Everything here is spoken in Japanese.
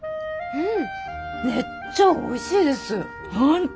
うん。